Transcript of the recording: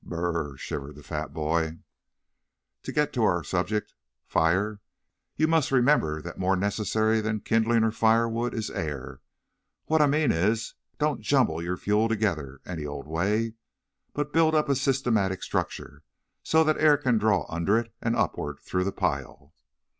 "Br r r!" shivered the fat boy. "To get to our subject fire you must remember that more necessary than kindling or firewood is air. What I mean is, don't jumble your fuel together any old way, but build up a systematic structure so the air can draw under it and upward through the pile."